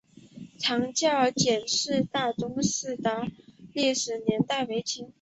长教简氏大宗祠的历史年代为清。